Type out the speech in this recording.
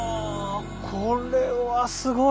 これはすごい！